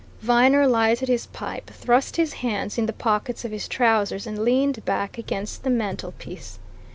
Viner lighted his pipe, thrust his hands in the pockets of his trousers and leaned back against the mantelpiece.